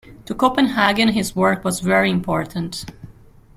To Copenhagen his work was very important.